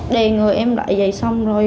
đè người em lại dậy xong